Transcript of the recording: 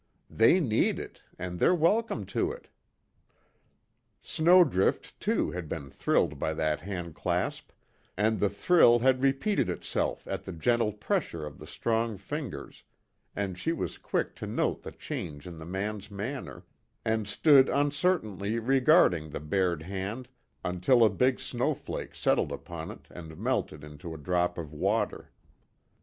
"They need it, and they're welcome to it." Snowdrift, too, had been thrilled by that handclasp, and the thrill had repeated itself at the gentle pressure of the strong fingers, and she was quick to note the change in the man's manner, and stood uncertainly regarding her bared hand until a big snowflake settled upon it and melted into a drop of water.